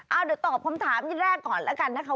เอาเดี๋ยวตอบคำถามที่แรกก่อนแล้วกันนะคะ